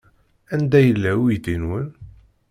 Anda yella uydi-nwen?